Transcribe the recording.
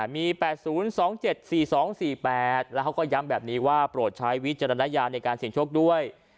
มี๘๐๒๗๔๒๔๘แล้วเขาก็ย้ำแบบนี้ว่าโปรดใช้วิจารณญาณในการเสี่ยงโชคด้วย